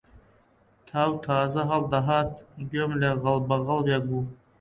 تاو تازە هەڵدەهات گوێم لە غەڵبەغەڵبێک بوو